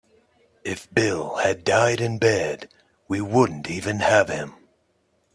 If Bill had died in bed we wouldn't even have him.